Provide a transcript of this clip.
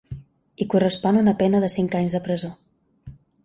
Hi correspon una pena de cinc anys de presó.